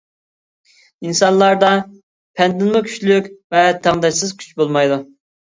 ئىنسانلاردا پەندىنمۇ كۈچلۈك ۋە تەڭداشسىز كۈچ بولمايدۇ.